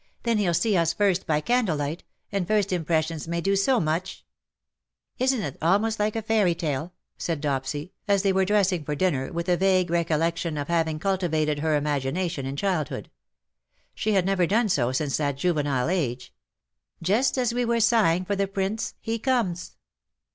''Then he'll see us first by candlelight, and first impressions may do so much/'' " Isn't it almost like a fairy tale ?'' said Dopsy, as they were dressing for dinner, with a vague recollection of having cultivated her imagination in childhood. She had never done so since that juvenile age. '' Just as we were sighing for the prince he comes.''